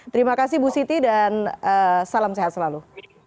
terima kasih bu siti dan salam sehat selalu